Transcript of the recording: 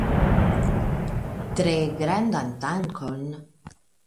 Tre grandan dankon?